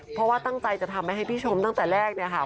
เพราะว่าตั้งใจจะทำให้พี่ชมตั้งแต่แรกเนี่ยค่ะ